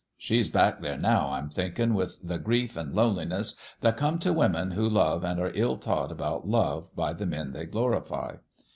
She's back there, now, I'm thinkin', with the grief an' loneliness that come t' women who love an' are ill taught about love by the men they glorify.